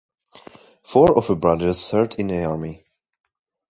Four of her brothers served in the army.